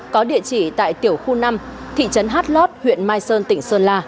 có địa chỉ tại tiểu khu năm thị trấn hát lót huyện mai sơn tỉnh sơn la